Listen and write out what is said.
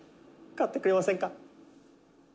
買ってくれませんか？」